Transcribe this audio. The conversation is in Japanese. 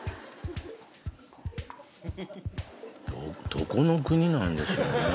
どこの国なんでしょうねぇ？